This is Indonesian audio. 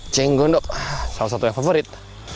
cenggondok salah satu yang favorit